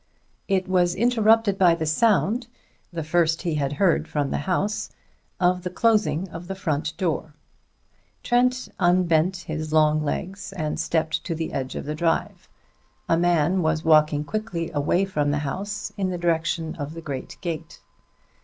It was interrupted by the sound the first he had heard from the house of the closing of the front door. Trent unbent his long legs and stepped to the edge of the drive. A man was walking quickly away from the house in the direction of the great gate.